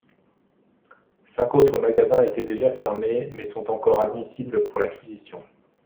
Cinq autres magasins étaient déjà fermés, mais sont encore admissibles pour l'acquisition.